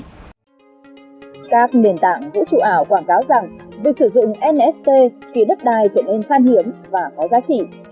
các nền tảng vũ trụ ảo quảng cáo rằng việc sử dụng nft khiến đất đai trở nên khan hiếm và có giá trị